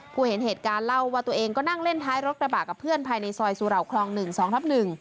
เห็นเหตุการณ์เล่าว่าตัวเองก็นั่งเล่นท้ายรถกระบะกับเพื่อนภายในซอยสุเหล่าคลอง๑๒ทับ๑